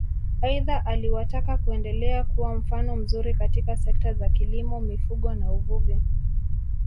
Aidha aliwataka kuendelea kuwa mfano mzuri katika sekta za kilimo mifugo na uvuvi